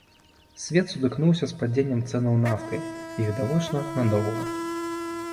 Свет сутыкнуўся з падзеннем цэнаў нафты, і, відавочна, надоўга.